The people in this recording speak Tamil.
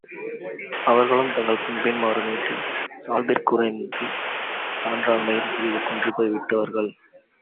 அவர்களும் தங்கள் பண்பின் மாறு நீட்டு, சால்பிற் குறைந்து, சான்றாண்மையில் சிறிது குன்றிப்போய் விட்டவர்கள்.